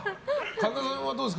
神田さんはどうですか。